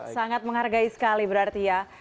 sangat menghargai sekali berarti ya